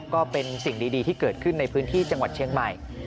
ก็เป็นสิ่งดีที่เกิดขึ้นในพื้นที่จังหวัดเชียงใหม่